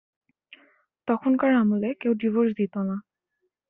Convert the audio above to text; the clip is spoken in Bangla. তখনকার আমলে কেউ ডিভোর্স দিতো না।